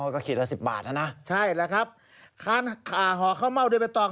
ก็ขีดละสิบบาทนะนะใช่แหละครับห่อข้าวเม่าด้วยใบตอง